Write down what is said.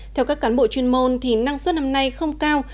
theo các cán bộ chuyên môn năng suất năm nay không cao